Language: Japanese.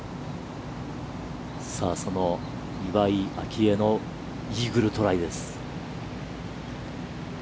さあ、その岩井明愛のイーグルトライです。